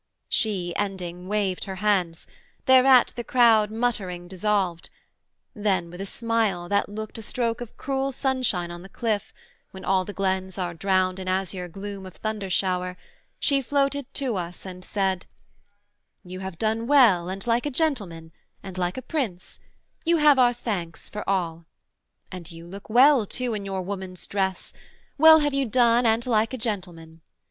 She, ending, waved her hands: thereat the crowd Muttering, dissolved: then with a smile, that looked A stroke of cruel sunshine on the cliff, When all the glens are drowned in azure gloom Of thunder shower, she floated to us and said: 'You have done well and like a gentleman, And like a prince: you have our thanks for all: And you look well too in your woman's dress: Well have you done and like a gentleman.